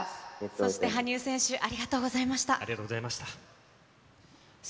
そして羽生選手、ありがとうございました。